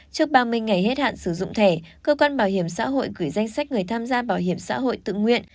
trước ba mươi ngày hết hạn sử dụng thẻ cơ quan bảo hiểm xã hội gửi danh sách người tham gia bảo hiểm xã hội tự nguyện